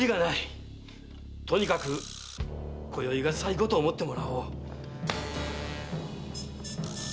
とにかく今宵が最後と思ってもらおう。